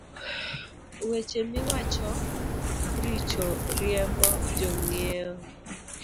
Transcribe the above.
Weche miwacho richo riembo jong’iewo